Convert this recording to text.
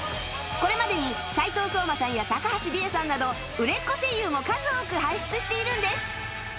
これまでに斉藤壮馬さんや高橋李依さんなど売れっ子声優も数多く輩出しているんです